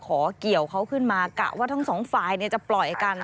ขอเกี่ยวเขาขึ้นมากะว่าทั้งสองฝ่ายจะปล่อยกัน